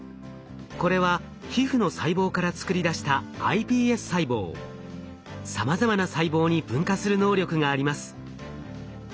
これは皮膚の細胞から作り出したさまざまな細胞に分化する能力があります。